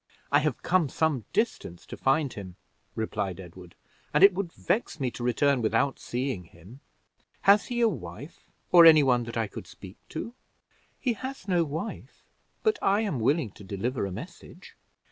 "I have come some distance to find him," replied Edward; "and it would vex me to return without seeing him. Has he a wife, or any one that I could speak to?" "He has no wife; but I am willing to deliver a message."